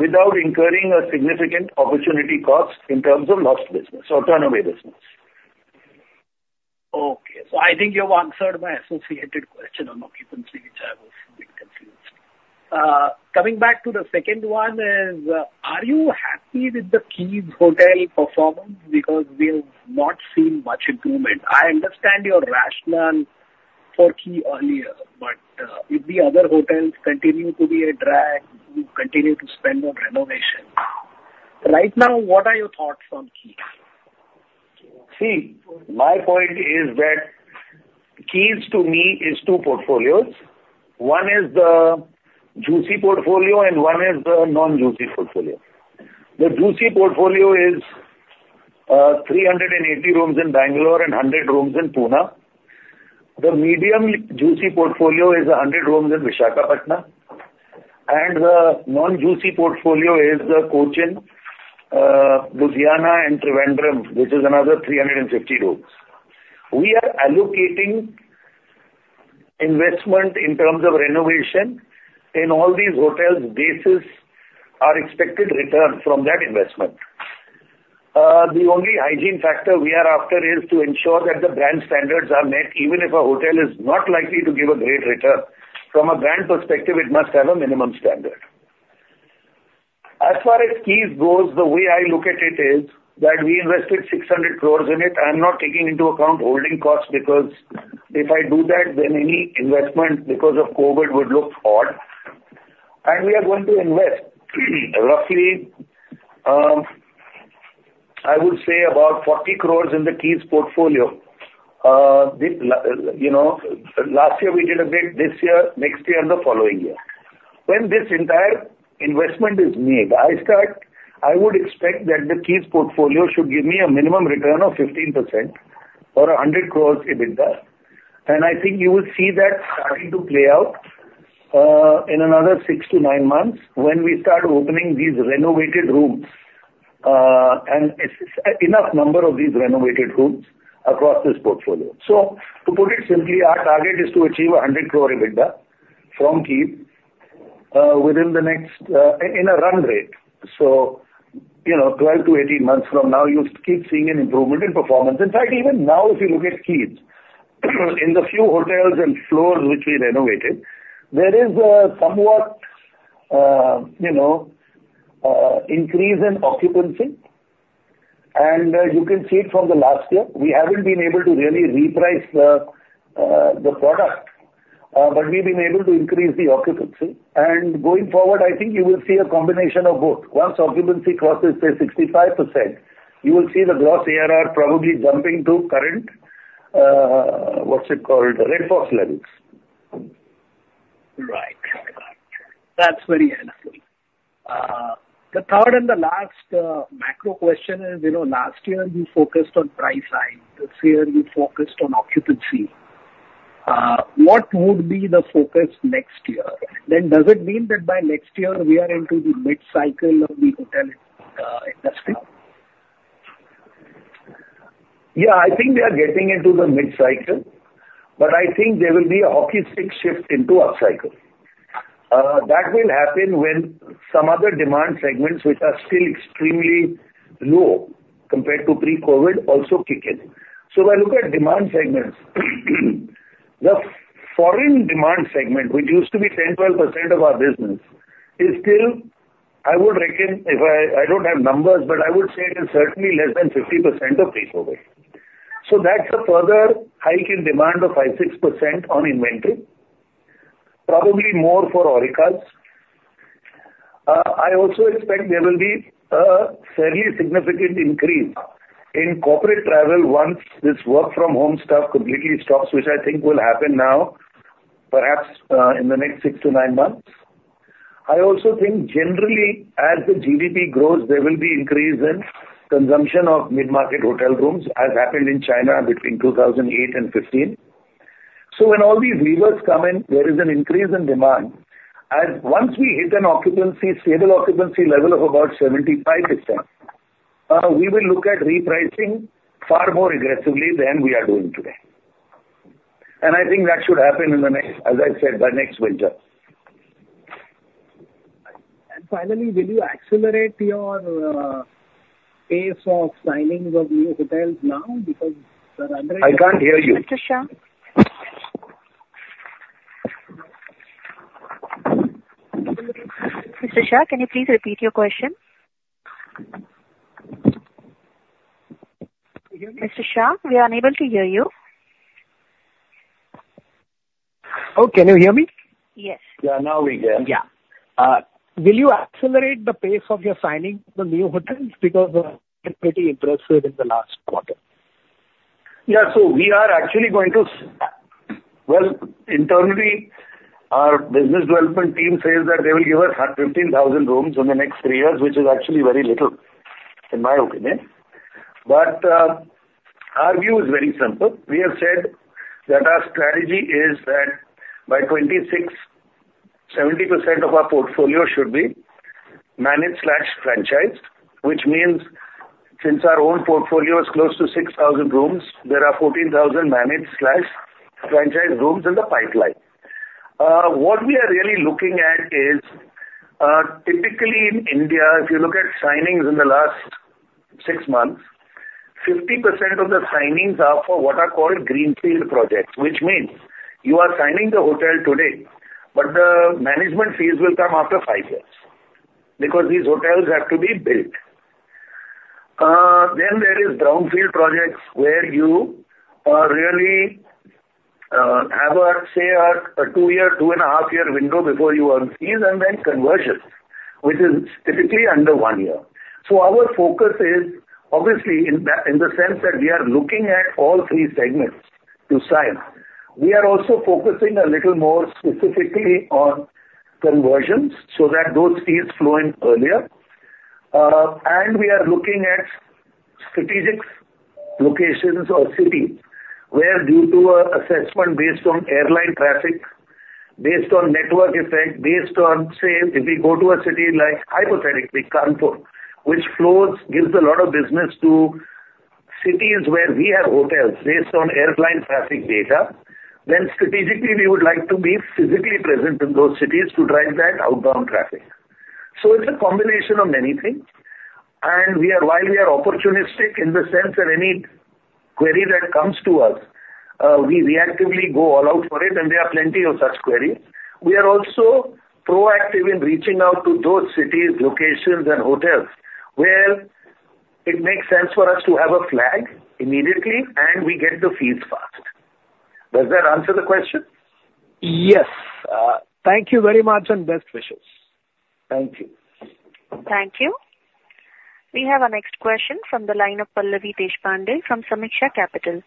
without incurring a significant opportunity cost in terms of lost business or turn away business. Okay. So I think you have answered my associated question on occupancy, which I was a bit confused. Coming back to the second one is, are you happy with the Keys hotel performance? Because we have not seen much improvement. I understand your rationale for Keys earlier, but, if the other hotels continue to be a drag, you continue to spend on renovation. Right now, what are your thoughts on Keys? See, my point is that Keys to me is two portfolios. One is the juicy portfolio and one is the non-juicy portfolio. The juicy portfolio is 380 rooms in Bangalore and 100 rooms in Pune. The medium juicy portfolio is 100 rooms in Visakhapatnam, and the non-juicy portfolio is the Cochin, Ludhiana and Trivandrum, which is another 350 rooms. We are allocating investment in terms of renovation in all these hotels based on our expected return from that investment. The only hygiene factor we are after is to ensure that the brand standards are met, even if a hotel is not likely to give a great return. From a brand perspective, it must have a minimum standard. As far as Keys goes, the way I look at it is that we invested 600 crore in it. I'm not taking into account holding costs, because if I do that, then any investment because of COVID would look odd. We are going to invest roughly, I would say about 40 crore in the Keys portfolio. You know, last year we did a bit, this year, next year and the following year. When this entire investment is made, I would expect that the Keys portfolio should give me a minimum return of 15% or 100 crore EBITDA. I think you will see that starting to play out, in another 6-9 months when we start opening these renovated rooms, and it's enough number of these renovated rooms across this portfolio. To put it simply, our target is to achieve 100 crore EBITDA from Keys, within the next, in a run rate. You know, 12-18 months from now, you'll keep seeing an improvement in performance. In fact, even now, if you look at Keys, in the few hotels and floors which we renovated, there is a somewhat, you know, increase in occupancy. And you can see it from the last year. We haven't been able to really reprice the, the product, but we've been able to increase the occupancy. And going forward, I think you will see a combination of both. Once occupancy crosses say, 65%, you will see the gross ARR probably jumping to current, what's it called? Red Fox levels. Right. That's very helpful. The third and the last, macro question is, you know, last year you focused on price side, this year you focused on occupancy. What would be the focus next year? Then, does it mean that by next year we are into the mid-cycle of the hotel, industry? Yeah, I think we are getting into the mid-cycle, but I think there will be a hockey stick shift into upcycle. That will happen when some other demand segments, which are still extremely low compared to pre-COVID, also kick in. So if I look at demand segments, the foreign demand segment, which used to be 10-12% of our business, is still, I would reckon, if I... I don't have numbers, but I would say it is certainly less than 50% of pre-COVID. So that's a further hike in demand of 5-6% on inventory, probably more for Aurikas. I also expect there will be a fairly significant increase in corporate travel once this work from home stuff completely stops, which I think will happen now, perhaps, in the next 6-9 months. I also think generally, as the GDP grows, there will be increase in consumption of mid-market hotel rooms, as happened in China between 2008 and 2015. So when all these levers come in, there is an increase in demand, and once we hit an occupancy, stable occupancy level of about 75%, we will look at repricing far more aggressively than we are doing today. And I think that should happen in the next, as I said, by next winter. Finally, will you accelerate your pace of signing the new hotels now? Because the- I can't hear you. Mr. Shah? Mr. Shah, can you please repeat your question? Can you hear me? Mr. Shah, we are unable to hear you. Oh, can you hear me? Yes. Yeah, now we can. Yeah. Will you accelerate the pace of your signing the new hotels? Because we are pretty impressive in the last quarter. Yeah. So we are actually going to... Well, internally, our business development team says that they will give us 15,000 rooms in the next 3 years, which is actually very little, in my opinion. But our view is very simple. We have said that our strategy is that by 2026, 70% of our portfolio should be managed/franchised, which means since our own portfolio is close to 6,000 rooms, there are 14,000 managed/franchise rooms in the pipeline. What we are really looking at is, typically in India, if you look at signings in the last 6 months, 50% of the signings are for what are called greenfield projects, which means you are signing the hotel today, but the management fees will come after 5 years, because these hotels have to be built. Then there is Brownfield projects where you really have, say, a 2-year, 2.5-year window before you earn fees, and then conversion, which is typically under 1 year. So our focus is obviously in the sense that we are looking at all three segments to sign. We are also focusing a little more specifically on conversions, so that those fees flow in earlier. And we are looking at strategic locations or cities where due to an assessment based on airline traffic, based on network effect, based on, say, if we go to a city like, hypothetically, Kanpur, which flows, gives a lot of business to-... cities where we have hotels based on airline traffic data, then strategically, we would like to be physically present in those cities to drive that outbound traffic. So it's a combination of many things, and we are, while we are opportunistic in the sense that any query that comes to us, we reactively go all out for it, and there are plenty of such queries. We are also proactive in reaching out to those cities, locations and hotels where it makes sense for us to have a flag immediately, and we get the fees fast. Does that answer the question? Yes. Thank you very much, and best wishes. Thank you. Thank you. We have our next question from the line of Pallavi Deshpande from Sameeksha Capital.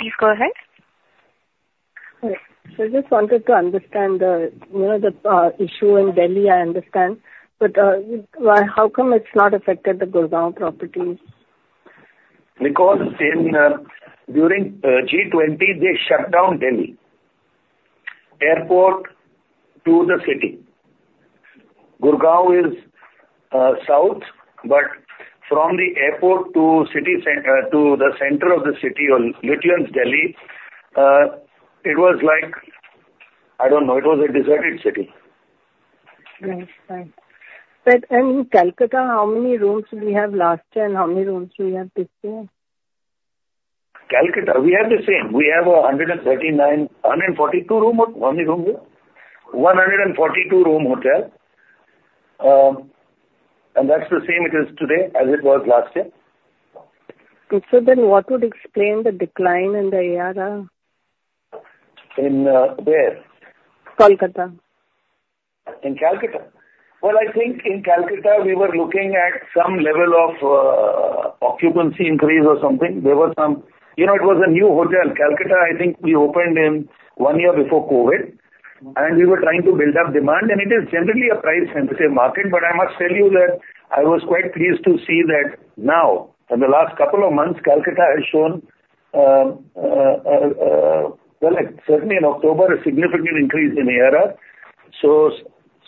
Please go ahead. Hi. So I just wanted to understand, you know, the issue in Delhi, I understand, but, why, how come it's not affected the Gurgaon properties? Because in during G20, they shut down Delhi. Airport to the city. Gurgaon is south, but from the airport to the center of the city on New Delhi, it was like, I don't know, it was a deserted city. Right. Thanks. But in Calcutta, how many rooms we have last year, and how many rooms we have this year? Calcutta, we have the same. We have a 139, 142 room, how many rooms here? 142 room hotel. And that's the same it is today as it was last year. What would explain the decline in the ARR? In, where? Calcutta. In Calcutta? Well, I think in Calcutta, we were looking at some level of, occupancy increase or something. You know, it was a new hotel. Calcutta, I think we opened one year before COVID, and we were trying to build up demand, and it is generally a price-sensitive market. But I must tell you that I was quite pleased to see that now, in the last couple of months, Calcutta has shown, well, certainly in October, a significant increase in ARR, so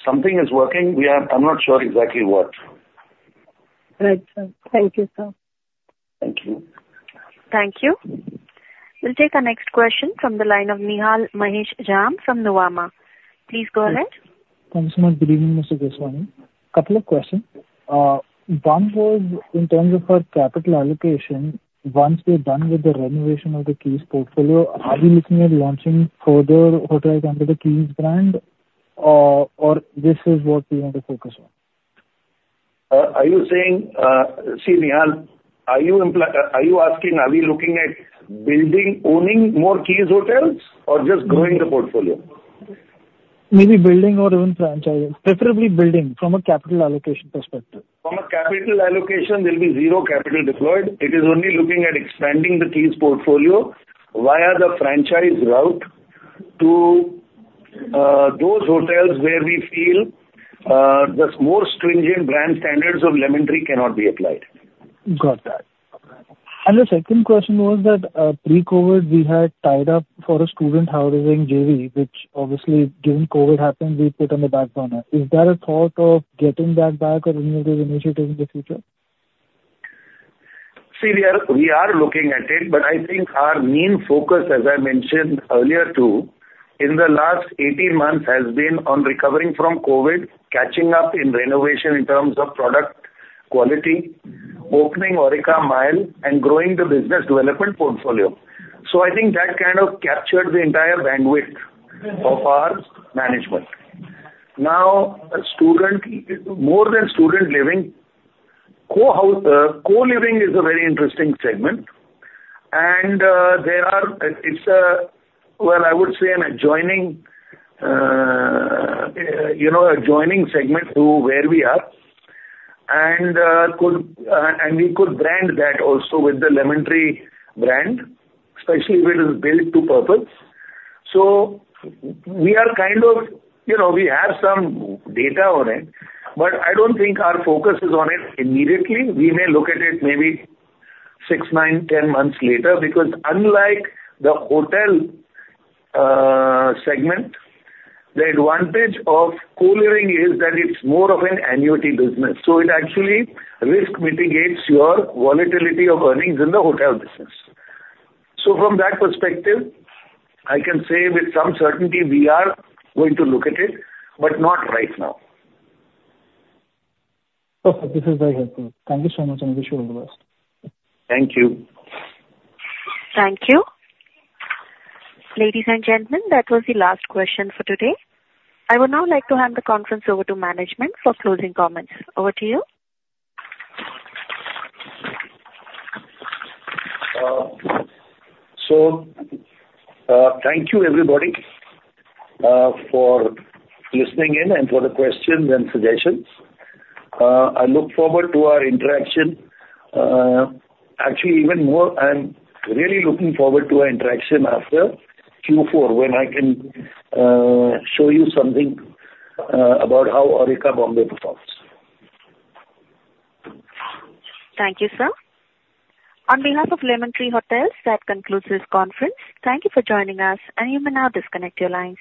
something is working. We are. I'm not sure exactly what. Right, sir. Thank you, sir. Thank you. Thank you. We'll take our next question from the line of Nihal Mahesh Jham from Nuvama. Please go ahead. Thank you so much. Good evening, Mr. Keswani. Couple of questions. One was in terms of our capital allocation. Once we're done with the renovation of the Keys portfolio, are we looking at launching further hotels under the Keys brand, or this is what we want to focus on? Are you saying, see, Nihal, are you asking, are we looking at building, owning more Keys Hotels or just growing the portfolio? Maybe building or even franchising. Preferably building from a capital allocation perspective. From a capital allocation, there'll be zero capital deployed. It is only looking at expanding the Keys portfolio via the franchise route to those hotels where we feel the more stringent brand standards of Lemon Tree cannot be applied. Got that. And the second question was that, pre-COVID, we had tied up for a student housing JV, which obviously, during COVID happened, we put on the back burner. Is there a thought of getting that back or any of those initiatives in the future? See, we are, we are looking at it, but I think our main focus, as I mentioned earlier, too, in the last 18 months, has been on recovering from COVID, catching up in renovation in terms of product quality, opening Aurika Mumbai, and growing the business development portfolio. So I think that kind of captured the entire bandwidth of our management. Now, student, more than student living, co-house, co-living is a very interesting segment, and, there are. It's a, well, I would say an adjoining, you know, adjoining segment to where we are, and, could, and we could brand that also with the Lemon Tree brand, especially if it is built to purpose. So we are kind of... You know, we have some data on it, but I don't think our focus is on it immediately. We may look at it maybe 6, 9, 10 months later, because unlike the hotel segment, the advantage of co-living is that it's more of an annuity business, so it actually risk mitigates your volatility of earnings in the hotel business. So from that perspective, I can say with some certainty we are going to look at it, but not right now. Okay. This is very helpful. Thank you so much, and I wish you all the best. Thank you. Thank you. Ladies and gentlemen, that was the last question for today. I would now like to hand the conference over to management for closing comments. Over to you. Thank you, everybody, for listening in and for the questions and suggestions. I look forward to our interaction, actually, even more. I'm really looking forward to our interaction after Q4, when I can show you something about how Aurika Bombay performs. Thank you, sir. On behalf of Lemon Tree Hotels, that concludes this conference. Thank you for joining us, and you may now disconnect your lines.